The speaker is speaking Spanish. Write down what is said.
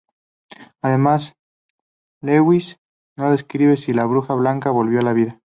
Además, Lewis no describe si la bruja blanca volvió a la vida.